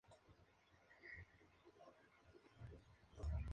Las flores no tienen nectarios.